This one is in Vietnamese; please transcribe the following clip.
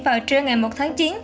vào trưa ngày một tháng chín